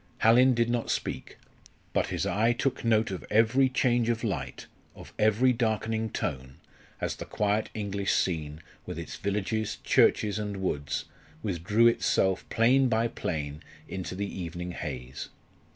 Hallin did not speak; but his eye took note of every change of light, of every darkening tone, as the quiet English scene with its villages, churches, and woods, withdrew itself plane by plane into the evening haze.